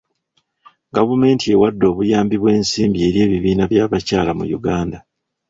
Gavumenti ewadde obuyambi bw'ensimbi eri ebibiina by'abakyala mu Uganda.